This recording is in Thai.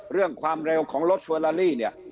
เรื่องความเร็วของรถเฟอร์ลาลี่เนี่ย